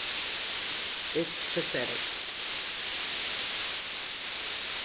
It’s pathetic.